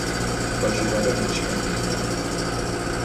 Va jugar de migcampista.